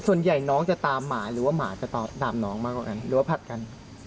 ส่วนใหญ่น้องจะตามหมาหรือว่าหมาจะตามน้องมากกว่ากันหรือว่าผลัดกัน